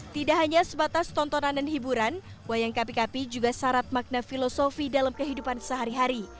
tidak hanya sebatas tontonan dan hiburan wayang kapi kapi juga syarat makna filosofi dalam kehidupan sehari hari